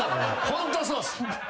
ホントそうっす。